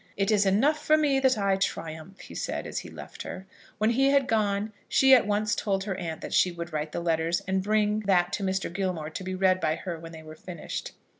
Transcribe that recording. "It is enough for me that I triumph," he said, as he left her. When he had gone, she at once told her aunt that she would write the letters, and bring that to Mr. Gilmore to be read by her when they were finished.